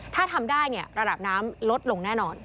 ถ้าทำได้ระดับน้ำลดลงแน่นอน